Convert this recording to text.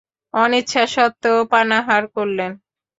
অনিচ্ছা সত্ত্বেও পানাহার করলেন।